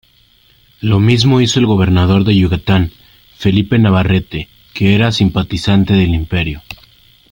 Lo mismo hizo el gobernador de Yucatán, Felipe Navarrete, que era simpatizante del Imperio.